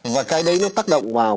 và cái đấy nó tác động vào